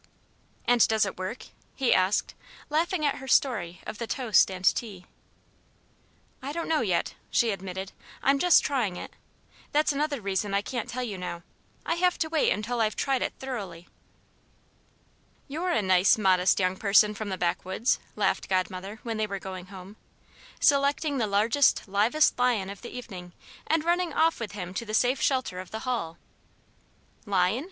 "And does it work?" he asked, laughing at her story of the toast and tea. "I don't know, yet," she admitted, "I'm just trying it. That's another reason I can't tell you now. I have to wait until I've tried it thoroughly." "You're a nice, modest young person from the backwoods," laughed Godmother when they were going home, "selecting the largest, livest lion of the evening and running off with him to the safe shelter of the hall." "Lion?"